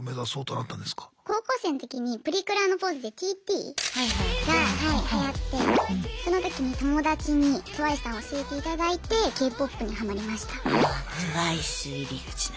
高校生の時にプリクラのポーズで「ＴＴ」？がはいはやってその時に友達にＴＷＩＣＥさん教えていただいてＫ−ＰＯＰにハマりました。